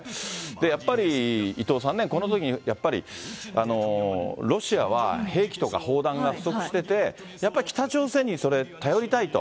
やっぱり伊藤さんね、このときにやっぱり、ロシアは兵器とか砲弾が不足してて、やっぱり北朝鮮にそれ、頼りたいと。